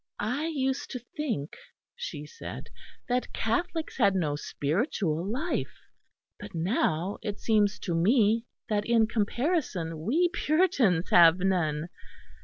"I used to think," she said, "that Catholics had no spiritual life; but now it seems to me that in comparison we Puritans have none.